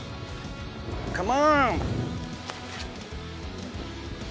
カモン！